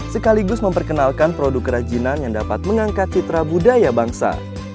sekaligus memperkenalkan produk kerajinan yang dapat mengangkat citra budaya bangsa